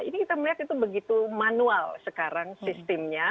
ini kita melihat itu begitu manual sekarang sistemnya